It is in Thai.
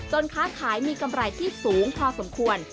ค้าขายมีกำไรที่สูงพอสมควร